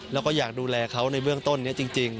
แล้วก็อยากดูแลเขาในเบื้องต้นนี้จริง